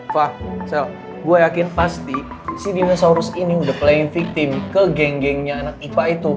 wah gue yakin pasti si dinosaurus ini udah playing victim ke geng gengnya anak ipa itu